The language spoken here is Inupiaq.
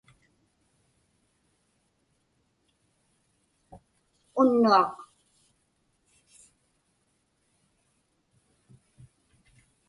unnuaq